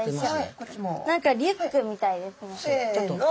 何かリュックみたいですね。